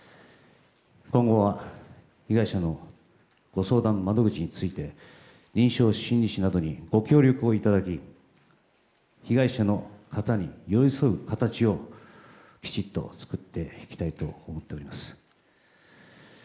今後は被害者のご相談窓口について臨床心理士などにご協力をいただき被害者の方に寄り添う形をきちんと作っていきたいと思っております。